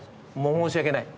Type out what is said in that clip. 申し訳ない。